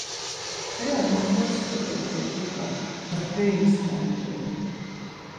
Heya na xrotskut̆u xociǩa muperi imskvanu doren.